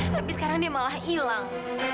tapi sekarang dia malah hilang